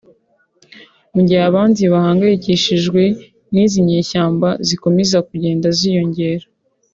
mu gihe abandi bahangayikishijwe n’izi nyeshyamba zikomeje kugenda ziyongera